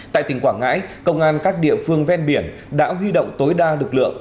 tại tỉnh quảng ngãi công an các địa phương ven biển đã huy động tối đa lực lượng